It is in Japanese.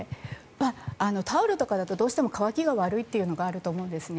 タオルとかだとどうしても乾きが悪いというのがあると思うんですね。